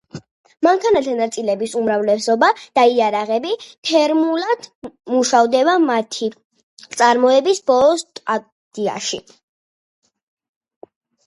მანქანათა ნაწილების უმრავლესობა და იარაღები თერმულად მუშავდება მათი წარმოების ბოლო სტადიაში.